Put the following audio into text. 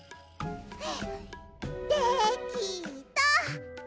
できた。